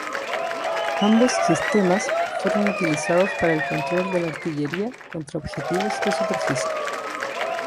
Ambos sistemas fueron utilizados para el control de la artillería contra objetivos de superficie.